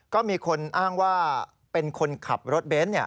ก็มีคนอ้างว่าเป็นคนขับรถเบนท์